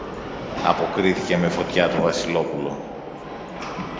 αποκρίθηκε με φωτιά το Βασιλόπουλο.